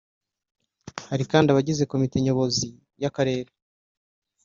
Hari kandi abagize Komite Nyobozi y’akarere